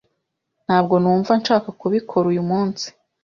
Ntabwo numva nshaka kubikora uyu munsi.